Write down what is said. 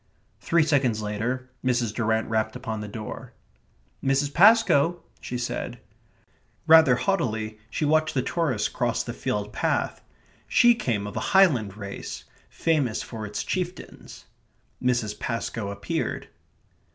Three seconds later Mrs. Durrant rapped upon the door. "Mrs. Pascoe?" she said. Rather haughtily, she watched the tourists cross the field path. She came of a Highland race, famous for its chieftains. Mrs. Pascoe appeared.